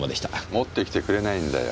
持ってきてくれないんだよ。